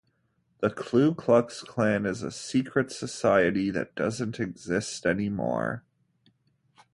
The Klu Klux Klan is a secret society that doesn't exist anymore.